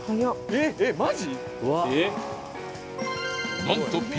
えっえっマジ！？